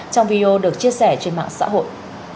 trong video được chia sẻ trên mạng xã hội